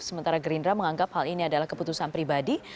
sementara gerindra menganggap hal ini adalah keputusan pribadi